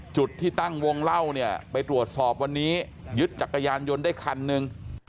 จุดที่ตั้งวงเล่าเนี่ยไปตรวจสอบวันนี้ยึดจักรยานยนต์ได้คันหนึ่ง